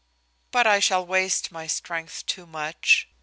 "But I shall waste my strength too much.